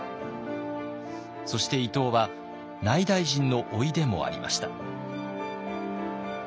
そして伊東は内大臣の甥でもありました。